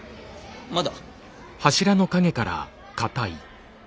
まだ？